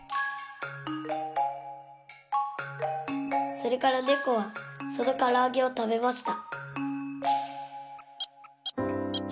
それからねこはそのからあげをたべました。